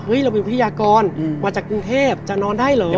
เรามีวิทยากรมาจากกรุงเทพจะนอนได้เหรอ